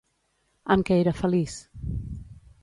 Amb què era feliç?